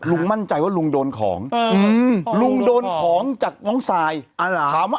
ลุงมั่นใจว่าลุงโดนของอืมลุงโดนของจากน้องสายอ่าล่ะถามว่า